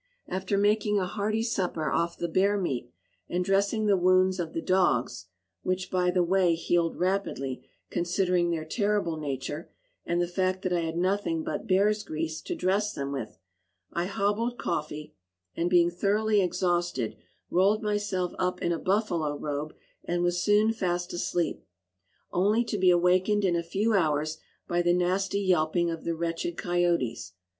After making a hearty supper off the bear meat, and dressing the wounds of the dogs, which, by the way, healed rapidly, considering their terrible nature and the fact that I had nothing but bear's grease to dress them with, I hobbled "Coffee," and, being thoroughly exhausted, rolled myself up in a buffalo robe, and was soon fast asleep: only to be awakened in a few hours by the nasty yelping of the wretched coyotes.